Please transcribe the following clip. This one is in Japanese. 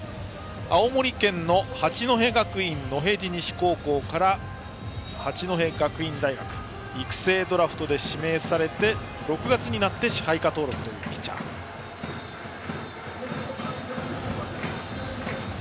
青森県の八戸学園野辺地西高校から八戸学院大学育成ドラフトで指名されて６月になって支配下登録というピッチャーです。